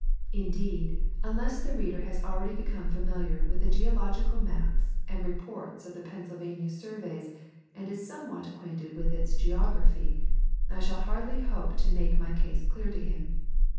Indeed, unless the reader has already be come familiar with the geological maps and reports of the Penn sylvania surveys and is somewhat acquainted with its geography, I shall hardly hope to make my case clear to him.